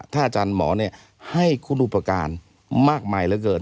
ถ้าอาจารย์หมอให้คุณอุปการณ์มากมายเหลือเกิน